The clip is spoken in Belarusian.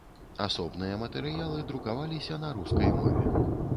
Асобныя матэрыялы друкаваліся на рускай мове.